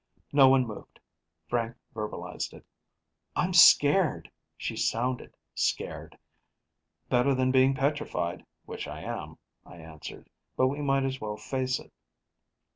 No one moved; Frank verbalized it: "I'm scared." She sounded scared. "Better than being petrified, which I am," I answered. "But we might as well face it."